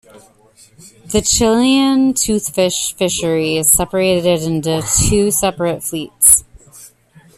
The Chilean toothfish fishery is separated into two separate fleets.